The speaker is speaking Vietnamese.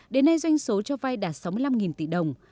đến nay doanh số cho vay đạt sáu mươi năm tỷ đồng